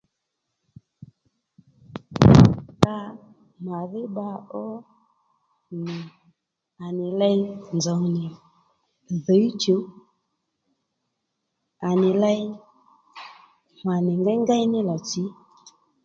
Màdhí bba ó nì à nì ley nzòw nì dhǐy chǔw à nì ley mà nì ngéyngéy ní lò tsǐ